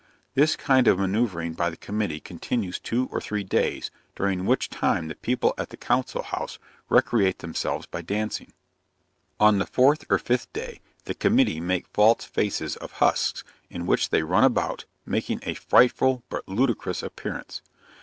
This kind of manoeuvering by the committee continues two or three days, during which time the people at the council house recreate themselves by dancing. On the fourth or fifth day the committee make false faces of husks, in which they run about, making a frightful but ludicrous appearance.